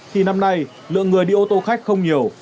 thì năm nay lượng người đi ô tô khách không nhiều